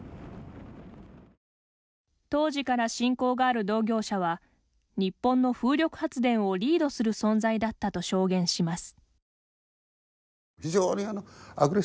当時から親交がある同業者は日本の風力発電をリードする存在だったと証言します。